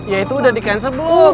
ya itu udah di cancel belum